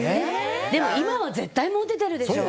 今は絶対モテてるでしょ。